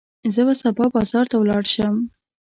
زه به سبا بازار ته ولاړ شم.